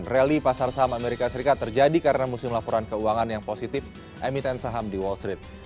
rally pasar saham amerika serikat terjadi karena musim laporan keuangan yang positif emiten saham di wall street